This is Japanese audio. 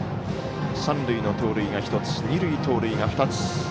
三塁の盗塁が１つ二塁盗塁が２つ。